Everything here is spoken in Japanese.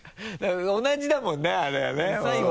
同じだもんねあれがね。最後。